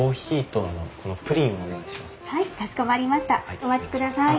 お待ちください。